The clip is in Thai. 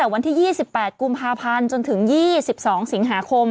วันที่๒๘กุมภาพันธ์จนถึง๒๒สิงหาคม